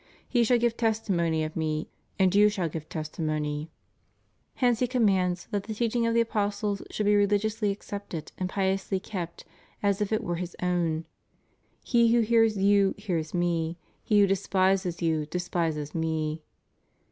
He shall give testimony of Me, and you shall give testimony.^ Hence He commands that the teaching of the apostles should be rehgiously accepted and piously kept as if it were His own — He who hears you hears Me, he who de spises you despises Me.